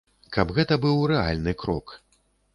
Каб гэта быў рэальны крок.